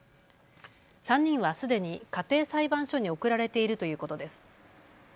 ３人はすでに家庭裁判所に送られているということです。